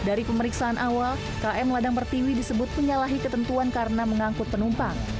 dari pemeriksaan awal km ladang pertiwi disebut penyalahi ketentuan karena mengangkut penumpang